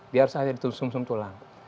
dia harus ada di sum sum tulang